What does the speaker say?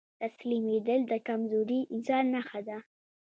تسليمېدل د کمزوري انسان نښه ده.